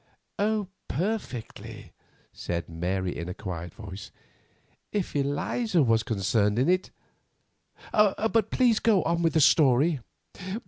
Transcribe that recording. "Perfectly," said Mary in a quiet voice, "if Eliza was concerned in it; but please go on with the story."